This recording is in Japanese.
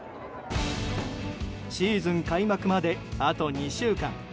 シーズン開幕まであと２週間。